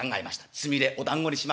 つみれおだんごにしましたね。